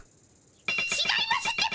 ちがいますってば。